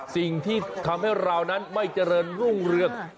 สิ่งที่ทำให้เรานั้นไม่เจริญรุ่งเรือง